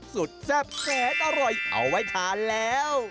แซ่บแสนอร่อยเอาไว้ทานแล้ว